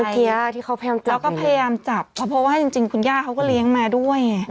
ที่เขาพยายามจับแล้วก็พยายามจับเพราะว่าจริงคุณย่าเขาก็เลี้ยงมาด้วยไง